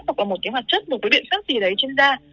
hoặc là một cái hoạt chất một cái biện pháp gì đấy trên da